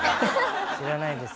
知らないです